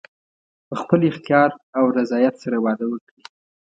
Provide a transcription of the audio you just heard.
په خپل اختیار او رضایت سره واده وکړي.